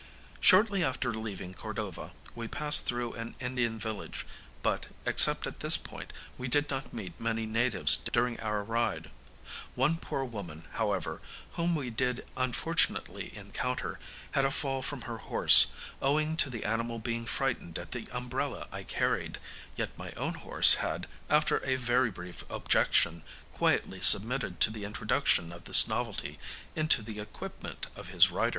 Shortly after leaving Cordova we passed through an Indian village; but, except at this point, we did not meet many natives during our ride. One poor woman, however, whom we did unfortunately encounter, had a fall from her horse, owing to the animal being frightened at the umbrella I carried, yet my own horse had, after a very brief objection, quietly submitted to the introduction of this novelty into the equipment of his rider.